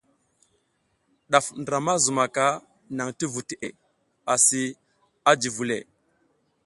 Ɗaf ndra ma zumaka naŋ ti vu teʼe asi a ji vule.